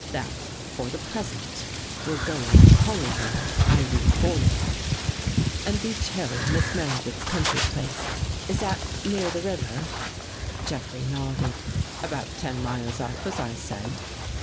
That, for the present, we'll go on calling her Irene Fournier." 154 THROUGH THE GRILLE " And Beech Hill, Miss Meredith's country place, is that — near the river?" Jeffrey nodded. " About ten miles up, as I said."